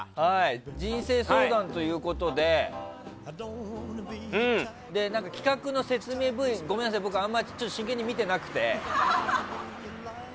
人生相談ということで企画の説明Ｖをごめんなさい、僕あんまり真剣に見てなくて。